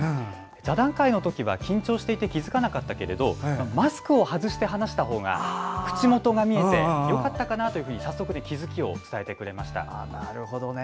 座談会の時は緊張していて気付かなかったけれどマスクを外して話した方が口元が見えてよかったかなと早速、気付きを伝えてくれました。